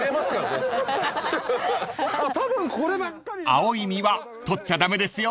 ［青い実は採っちゃ駄目ですよ］